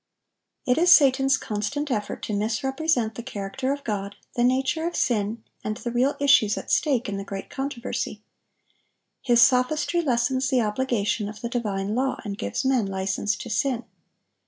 (1003) It is Satan's constant effort to misrepresent the character of God, the nature of sin, and the real issues at stake in the great controversy. His sophistry lessens the obligation of the divine law, and gives men license to sin.